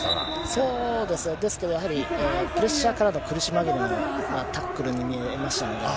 そうですね、ですけどやはり、プレッシャーからの苦し紛れのタックルに見えましたので。